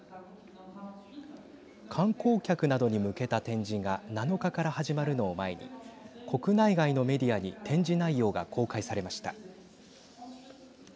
観光客などに向けた展示が７日から始まるのを前に国内外のメディアに展示内容が公開されました。